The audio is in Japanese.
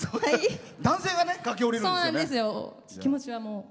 男性だけ駆け下りるんですよね。